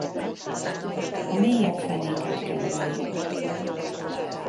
A mélyebb fenéket kedveli.